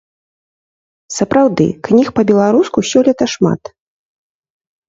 Сапраўды, кніг па-беларуску сёлета шмат.